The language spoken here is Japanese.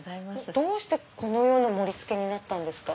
どうしてこのような盛り付けになったんですか？